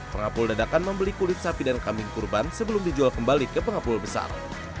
pengapul dadakan membeli kulit sapi dan kambing kurban sebelum dijual kembali ke pengapul besar